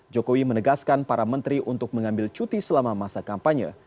jokowi menegaskan para menteri untuk mengambil cuti selama masa kampanye